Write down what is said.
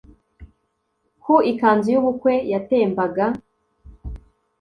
ku ikanzu y'ubukwe yatembaga.